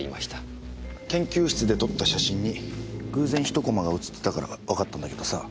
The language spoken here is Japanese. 研究室で撮った写真に偶然１コマが写ってたからわかったんだけどさ